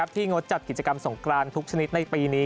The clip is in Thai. งดจัดกิจกรรมสงกรานทุกชนิดในปีนี้